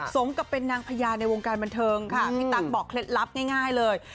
สมกับเป็นนางพญาในวงการบันเทิงค่ะพี่ตั๊กบอกเคล็ดลับง่ายเลย